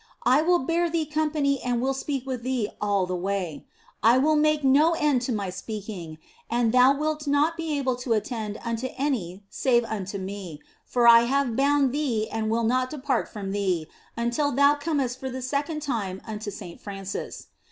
I will bear thee company and will speak with thee all the way ; I will make no end to my speaking and thou wilt not be able to attend unto any save unto Me, for I have bound thee and will not depart from thee until thou comest for the second time unto Saint Francis.